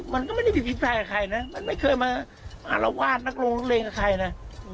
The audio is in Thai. มันก็ไม่ได้มีพิภัยกับใครนะมันไม่เคยมาหาละวาดนักโรงนักเล่นกับใครนะ